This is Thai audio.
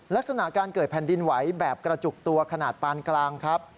ลักษณะการเกิดแผ่นดินไหวแบบกระจุกตัวขนาดปานกลางครับ